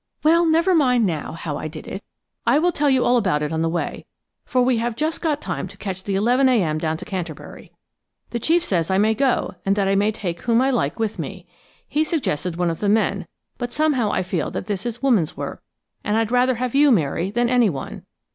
"Well, never mind now how I did it–I will tell you all about it on the way, for we have just got time to catch the 11 a.m. down to Canterbury. The chief says I may go, and that I may take whom I like with me. He suggested one of the men, but somehow I feel that this is woman's work, and I'd rather have you, Mary, than anyone.